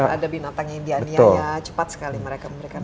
misalnya ada binatang indianya ya cepat sekali mereka memberikan petisi